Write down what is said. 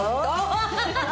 ハハハハハ！